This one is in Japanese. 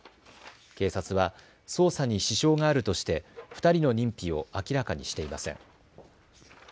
警察は捜査に支障があるとして２人の認否を明らかにしていません。